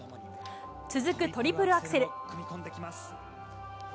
トリプルアクセル。